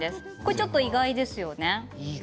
ちょっと意外ですよね。